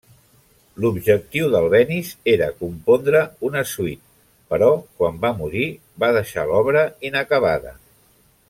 L’objectiu d’Albéniz era compondre una suite, però quan va morir va deixar l’obra inacabada.